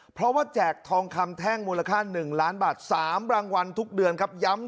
เพราะว่าแจกทองคำแท่งมูลค่า๑ล้านบาท๓รางวัลทุกเดือนครับย้ำ